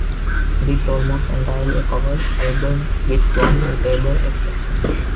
It is almost entirely a covers album, with one notable exception.